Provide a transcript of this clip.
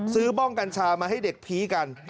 บ้องกัญชามาให้เด็กผีกัน